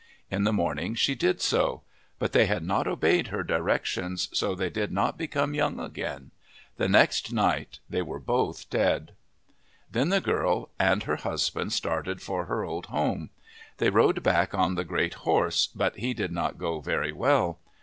In the morning she did so ; but they had not obeyed her directions so they did not become young again. The next night they were both dead. Then the girl and her husband started for her old home. They rode back on the great horse but he did not go very well.